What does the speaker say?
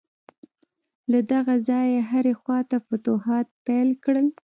له دغه ځایه یې هرې خواته فتوحات پیل کړل.